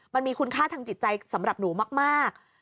มันมีคุณค่าทางจิตใจสำหรับหนูมาก